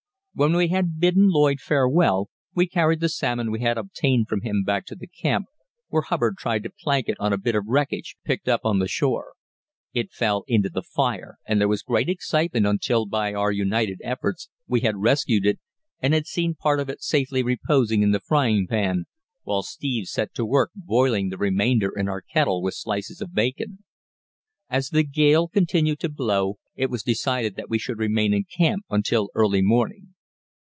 When we had bidden Lloyd farewell, we carried the salmon we had obtained from him back to camp, where Hubbard tried to plank it on a bit of wreckage picked up on the shore. It fell into the fire, and there was great excitement until, by our united efforts, we had rescued it, and had seen part of it safely reposing in the frying pan, while Steve set to work boiling the remainder in our kettle with slices of bacon. As the gale continued to blow, it was decided that we should remain in camp until early morning.